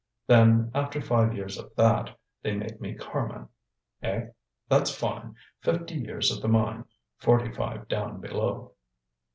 Then, after five years of that, they made me carman. Eh? that's fine fifty years at the mine, forty five down below."